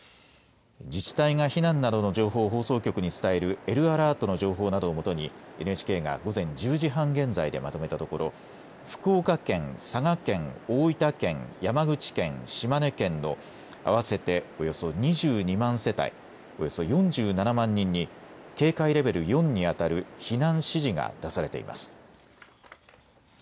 自治体が避難などの情報を放送局に伝えるＬアラートの情報などをもとにＮＨＫが午前１０時半現在でまとめたところ福岡県、佐賀県、大分県、山口県、島根県の合わせておよそ２２万世帯、およそ４７万人に警戒レベル４にあたる避難指示が出されています。